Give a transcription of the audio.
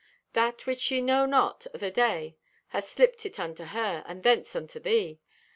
"That which ye know not o' thy day hath slipped it unto her, and thence unto thee.